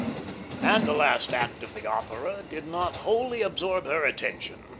And the last act of the opera did not wholly absorb her attention.